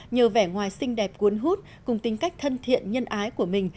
nhờ vẻ ngoài xinh đẹp cuốn hút cùng tính cách thân thiện nhân ái của mình